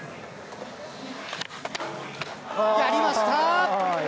やりました！